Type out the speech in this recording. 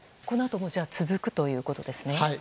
このあとも続くということですね。